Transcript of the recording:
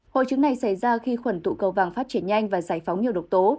hội trứng này xảy ra khi khuẩn tụ cầu vang phát triển nhanh và giải phóng nhiều độc tố